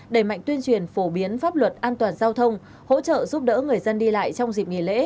đẩy mạnh tuyên truyền phổ biến pháp luật an toàn giao thông hỗ trợ giúp đỡ người dân đi lại trong dịp nghỉ lễ